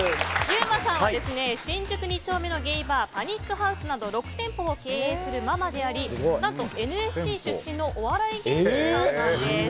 ユーマさんは新宿２丁目のゲイバーパニックハウスなど６店舗を経営するママであり何とＮＳＣ出身のお笑い芸人さんなんです。